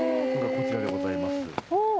こちらでございます。